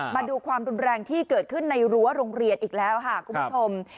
มาดูความรุนแรงที่เกิดขึ้นในรั้วโรงเรียนอีกแล้วค่ะคุณผู้ชม